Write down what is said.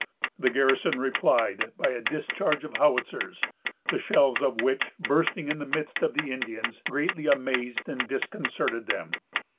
The garrison replied by a discharge of howitzers, the shells of which, bursting in the midst of the Indians, greatly amazed and disconcerted them.